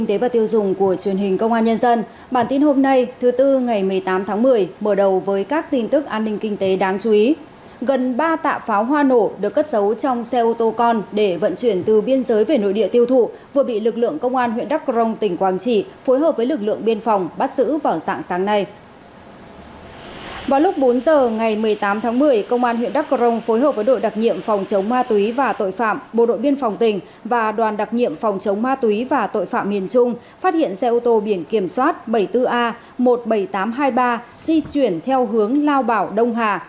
từ ngày một mươi tám tháng một mươi công an huyện đắk cờ rồng phối hợp với đội đặc nhiệm phòng chống ma túy và tội phạm bộ đội biên phòng tỉnh và đoàn đặc nhiệm phòng chống ma túy và tội phạm miền trung phát hiện xe ô tô biển kiểm soát bảy mươi bốn a một mươi bảy nghìn tám trăm hai mươi ba di chuyển theo hướng lao bảo đông hà